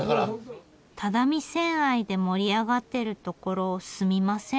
只見線愛で盛り上がってるところすみません。